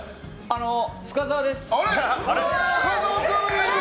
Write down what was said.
深澤です。